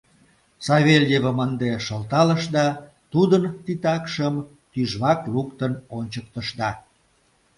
Савельевым ынде шылталышда, тудын титакшым тӱжвак луктын ончыктышда.